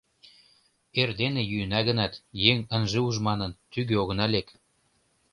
Эрдене йӱына гынат, еҥ ынже уж манын, тӱгӧ огына лек.